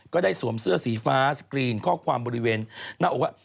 ก็ได้สวมเสื้อสีฟ้าสกรีนข้อความบริเวณหน้าอกว่า